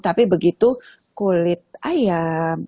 tapi begitu kulit ayam